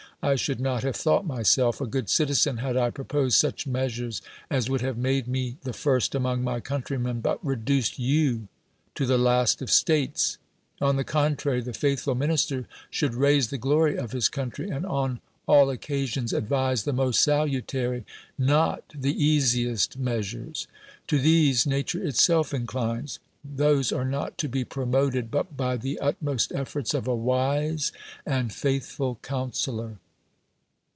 I should not have thought myself a good citizen had I pro posed such measures as would have made me the first among my countrymen, but reduced you to the last of states; on the contrary, the faithful minister should raise the gloi y of his country, and on all occasions advise the most salutary, not the easiest measures. To these nature itself inclines; those are not to be promoted but by the utmost efforts of a wise and faithful coun selor.